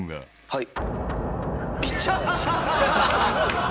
「はい」